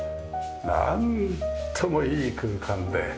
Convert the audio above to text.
なんともいい空間で。